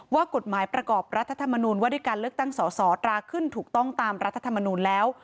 ว่ากฎหมายประกอบรัฐธรรมนูญว่าด้วยการเลือกตั้งสอสอตราขึ้นถูกต้องตามรัฐธรรมนูลแล้ว